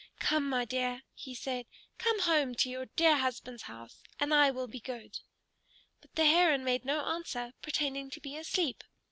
"Come, my dear," he said. "Come home to your dear husband's house, and I will be good." But the Heron made no answer, pretending to be asleep.